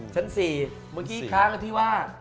ชั้น๔เมื่อกี้ทั้งที่ว่า